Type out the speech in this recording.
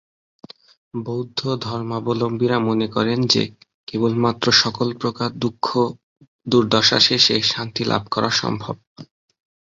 বৌদ্ধ ধর্মাবলম্বীরা মনে করেন যে, কেবলমাত্র সকল প্রকার দুঃখ-দূর্দশা শেষে শান্তি লাভ করা সম্ভব।